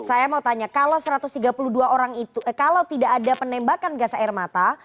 saya mau tanya kalau satu ratus tiga puluh dua orang itu kalau tidak ada penembakan gas air mata